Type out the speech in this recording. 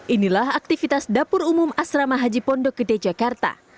inilah aktivitas dapur umum asrama haji pondogede jakarta